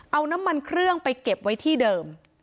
เอาน้ำมันเครื่องไปเก็บไว้ที่เดิม